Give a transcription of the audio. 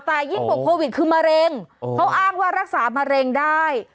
แต่ยิ่งกว่าโควิดคือมะเร็งเขาอ้างว่ารักษามะเร็งได้